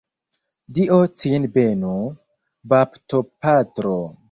Dio cin benu, baptopatro!